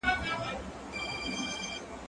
کېدای سي مېوې خرابې وي؟